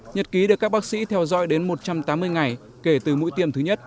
nhật ký được các bác sĩ theo dõi đến một trăm tám mươi ngày kể từ mũi tiêm thứ nhất